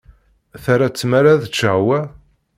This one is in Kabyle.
Terra tmara ad ččeɣ wa?